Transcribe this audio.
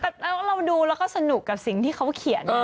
แต่เราดูแล้วก็สนุกกับสิ่งที่เขาเขียน